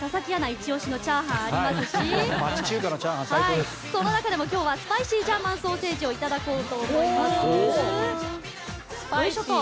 イチ押しのチャーハンもありますしその中でも今日はスパイシージャーマンソーセージをいただこうと思います。